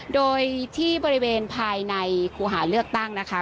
โดยที่บริเวณภายในครูหาเลือกตั้งนะคะ